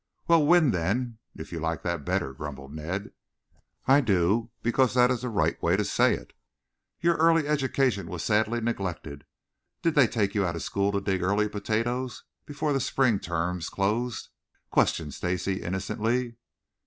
"Well, 'wind,' then, if you like that better," grumbled Ned. "I do because that is the right way to say it. Your early education was sadly neglected. Did they take you out of school to dig early potatoes before the spring terms closed?" questioned Stacy innocently.